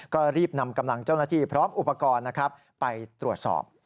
ก็รีบนำกำลังเจ้าหน้าที่พร้อมอุปกรณ์นะครับไปตรวจสอบ